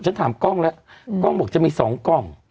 ฉันถามกล้องแล้วกล้องบอกจะมี๒กล้อง